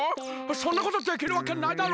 そんなことできるわけないだろ！